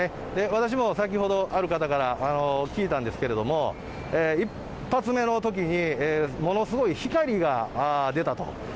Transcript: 私も先ほど、ある方から聞いたんですけれども、１発目のときに、ものすごい光が出たと。